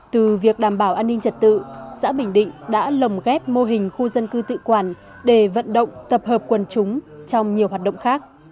từ việc đảm bảo an ninh trật tự xã bình định đã lồng ghép mô hình khu dân cư tự quản để vận động tập hợp quần chúng trong nhiều hoạt động khác